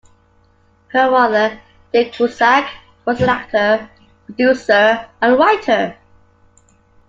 Her father, Dick Cusack, was an actor, producer, and writer.